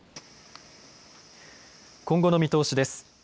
今後の見通しです。